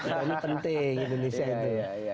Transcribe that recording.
ini penting indonesia itu